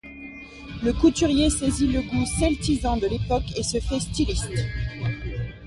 Le couturier saisit le goût celtisant de l'époque et se fait styliste.